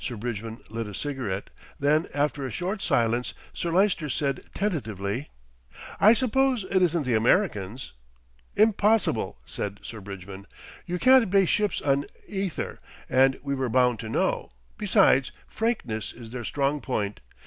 Sir Bridgman lit a cigarette, then after a short silence Sir Lyster said tentatively: "I suppose it isn't the Americans?" "Impossible," said Sir Bridgman. "You can't base ships on ether, and we were bound to know, besides frankness is their strong point.